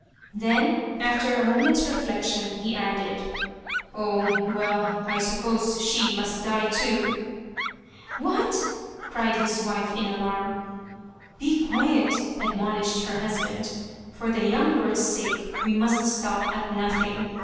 Then, after a moment's reflection, he added, " Oh, well I suppose she must die, too !"" What !" cried his wife, in alarm. " Be quiet," admonished her husband. " For the young lord's sake we must stop at nothing.